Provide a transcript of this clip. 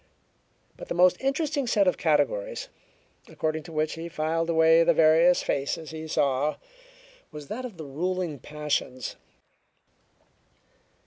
But the most interesting set of categories, according to which he filed away the various faces he saw was that of their ruling passions.